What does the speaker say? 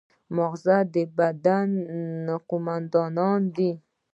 ماغزه د بدن قوماندان دی